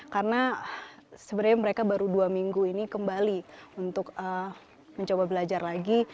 karena sebenarnya mereka baru dua minggu ini kembali untuk mencoba belajar lagi